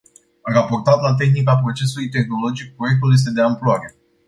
Raportat la tehnica procesului tehnologic, proiectul este de amploare